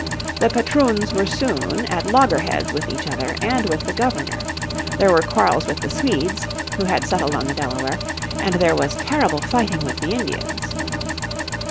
The patroons were soon at loggerheads with each other and with the Governor. There were quarrels with the Swedes, who had settled on the Delaware, and there was terrible fighting with the Indians.